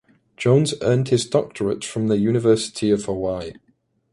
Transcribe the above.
Jones earned his doctorate from the University of Hawai‘i.